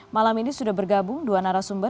malam ini sudah bergabung dua narasumber